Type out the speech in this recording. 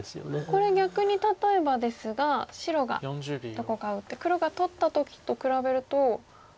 これ逆に例えばですが白がどこか打って黒が取った時と比べるとまた。